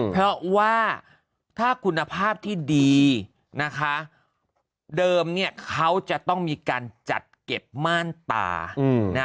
เพราะว่าถ้าคุณภาพที่ดีนะคะเดิมเนี่ยเขาจะต้องมีการจัดเก็บม่านตานะ